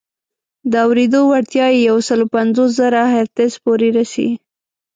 د اورېدو وړتیا یې یو سل پنځوس زره هرتز پورې رسي.